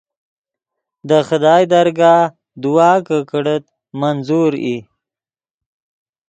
دے خدائے درگاہ دعا کہ کڑیت منظور ای